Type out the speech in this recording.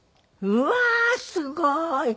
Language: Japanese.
うわーすごい！